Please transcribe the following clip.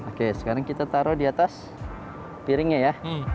oke sekarang kita taruh di atas piringnya ya